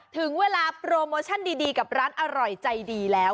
ถึงเวลาโปรโมชั่นดีกับร้านอร่อยใจดีแล้ว